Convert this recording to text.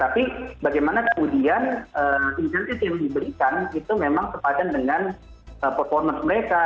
tapi bagaimana kemudian insentif yang diberikan itu memang sepadan dengan performance mereka